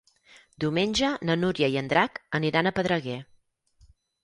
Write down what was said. Diumenge na Núria i en Drac aniran a Pedreguer.